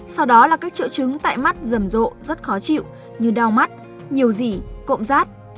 sau đó là các triệu chứng tại mắt dầm rộ rất khó chịu như đau mắt nhiều dị cộm rát